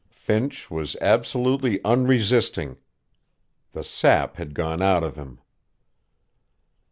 Finch was absolutely unresisting. The sap had gone out of him....